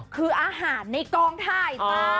คืออาหารในกองถ่ายจ้า